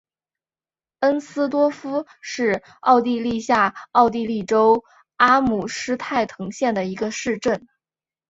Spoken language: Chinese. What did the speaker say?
恩斯多夫是奥地利下奥地利州阿姆施泰滕县的一个市镇。